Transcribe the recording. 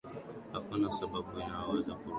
hakuna sababu inayowezo kurudisha maisha ya wanadamu